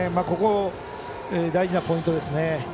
ここ、大事なポイントですね。